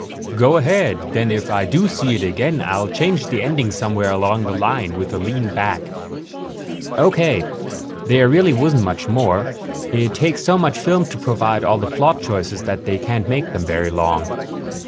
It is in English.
"Go ahead. Then if I do see it again I'll change the ending somewhere along the line with a lean back." "Okay. There really wasn't much more. It takes so much film to provide all the plot choices that they can't make them very long.